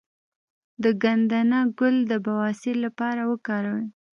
د ګندنه ګل د بواسیر لپاره وکاروئ